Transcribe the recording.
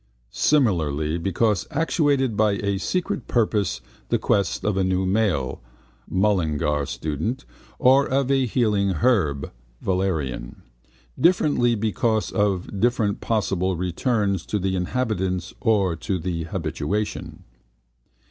Similarly, because actuated by a secret purpose the quest of a new male (Mullingar student) or of a healing herb (valerian). Differently, because of different possible returns to the inhabitants or to the habitation.